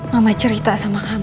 mama cerita sama kamu